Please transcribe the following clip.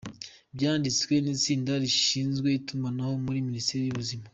Byanditswe n’itsinda rishinzwe itumanaho muri Minisiteri y’ubuzima.